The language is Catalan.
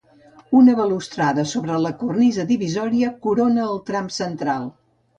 Una balustrada sobre la cornisa divisòria corona el tram central.